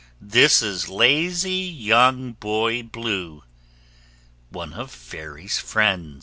This is lazy young Boy Blue ONE OF FAIRY'S FRIENDS.